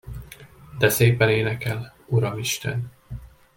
De szépen énekel, uramisten!